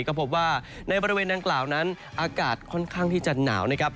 ก็พบว่าในบริเวณดังกล่าวนั้นอากาศค่อนข้างที่จะหนาวนะครับ